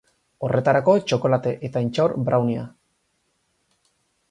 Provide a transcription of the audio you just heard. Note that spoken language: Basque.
Horretarako, txokolate eta intxaur browniea.